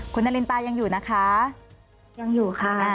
คุณนารินตายังอยู่นะคะยังอยู่ค่ะ